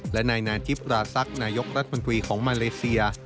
และนายนาธิปราศักดิ์นายกรัฐมนตรีของมาเลเซีย